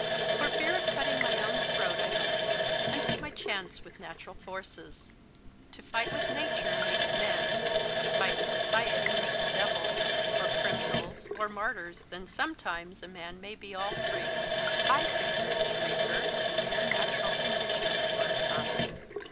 For fear of cutting my own throat I left, and took my chance with natural forces. To fight with nature makes men, to fight with society makes devils, or criminals, or martyrs, and sometimes a man may be all three. I preferred to revert to mere natural conditions for a time.